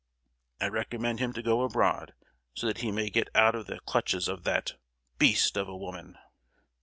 I recommend him to go abroad so that he may get out of the clutches of that—beast of a woman!"